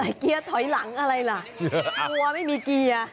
แต่เกียร์ถอยหลังอะไรล่ะกลัวไม่มีเกียร์